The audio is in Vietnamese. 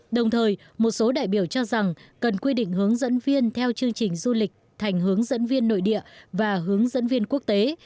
đồng thời một số đại biểu cho rằng cần quy định hướng dẫn viên theo chương trình du lịch thành hướng dẫn viên nội địa và hướng dẫn viên quốc tế